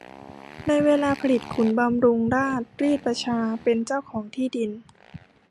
ในเวลาผลิตขุนบำรุงราชรีดประชาเป็นเจ้าของที่ดิน